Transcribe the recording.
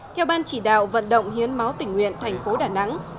theo ban chỉ đạo vận động hiến máu tỉnh nguyện thành phố đà nẵng